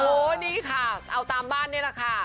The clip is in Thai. โอ้โหนี่ค่ะเอาตามบ้านนี่แหละค่ะ